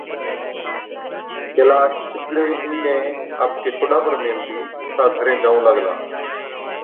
ڪيلاش سِگڙين اِينڏين آپڪي ٺوڏا پر ميهلتِي پُوٺا گھرين جائُون لاگلا۔